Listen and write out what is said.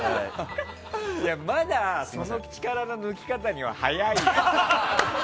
まだ、その力の抜き方には早いよ！